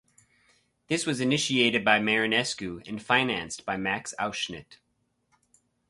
This was initiated by Marinescu and financed by Max Auschnitt.